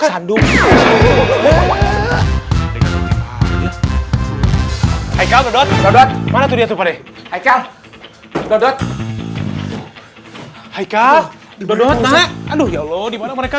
hai hai kabut bubut mana tuh dia supadek hai kau dodot hai kau dodot aduh ya allah dimana mereka